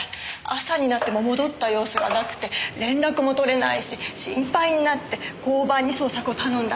朝になっても戻った様子がなくて連絡も取れないし心配になって交番に捜索を頼んだんです。